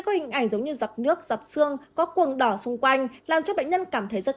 có hình ảnh giống như dọc nước dọc xương có cuồng đỏ xung quanh làm cho bệnh nhân cảm thấy rất